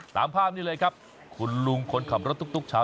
ตามภาพนี้เลยครับคุณลุงคนขับรถตุ๊กเช้า